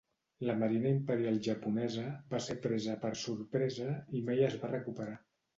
La Marina Imperial Japonesa va ser presa per sorpresa i mai es va recuperar.